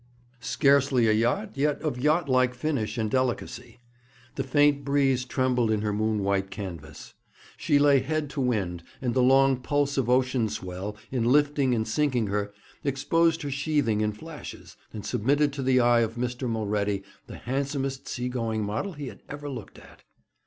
Scarcely a yacht, yet of yacht like finish and delicacy. The faint breeze trembled in her moon white canvas. She lay head to wind, and the long pulse of ocean swell, in lifting and sinking her, exposed her sheathing in flashes, and submitted to the eye of Mr. Mulready the handsomest sea going model he had ever looked at.